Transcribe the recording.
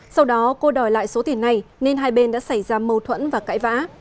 sau đó cô đòi lại số tiền này nên hai bên đã xảy ra mâu thuẫn và cãi vã